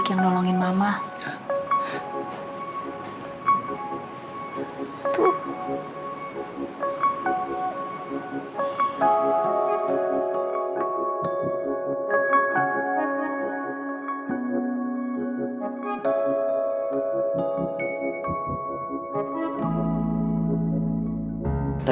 kalian gak salah ya